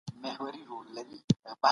تاسو په خپلو خبرو کي رښتيا واياست.